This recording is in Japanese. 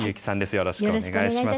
よろしくお願いします。